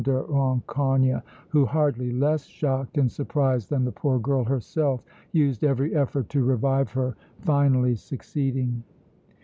de Rancogne, who, hardly less shocked and surprised than the poor girl herself, used every effort to revive her, finally succeeding.